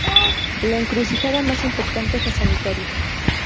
La encrucijada más importante es la sanitaria.